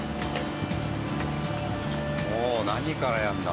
おお何からやるんだ？